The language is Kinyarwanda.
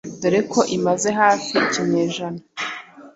dore ko imaze hafi ikinyejana